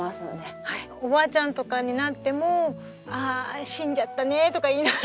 おばあちゃんとかになってもああ死んじゃったねとか言いながら。